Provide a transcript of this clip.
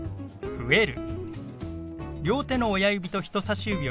「増える」。